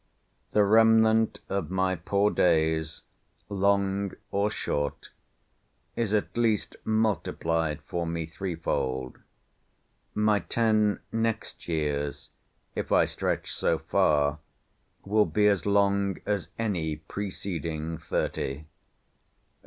The remnant of my poor days, long or short, is at least multiplied for me three fold. My ten next years, if I stretch so far, will be as long as any preceding thirty.